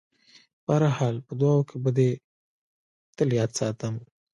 په هر حال په دعاوو کې به دې تل یاد ساتم.